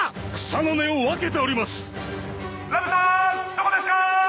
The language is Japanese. どこですか？